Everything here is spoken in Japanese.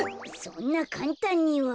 そんなかんたんには。